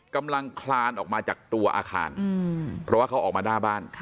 กำลังคลานออกมาจากตัวอาคารเพราะว่าเขาออกมาหน้าบ้าน